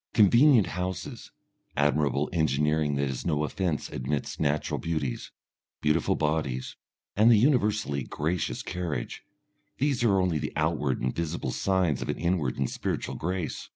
Convenient houses, admirable engineering that is no offence amidst natural beauties, beautiful bodies, and a universally gracious carriage, these are only the outward and visible signs of an inward and spiritual grace.